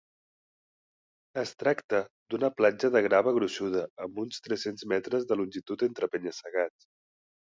Es tracta d'una platja de grava gruixuda amb uns tres-cents metres de longitud entre penya-segats.